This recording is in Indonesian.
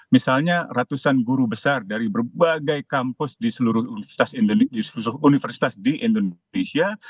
misalnya ratusan guru besar dari berbagai kampus di seluruh universitas di indonesia